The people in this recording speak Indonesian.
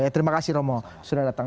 terima kasih romo sudah datang